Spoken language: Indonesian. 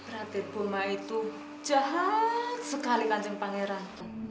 raden boma itu jahat sekali kanjeng pangeran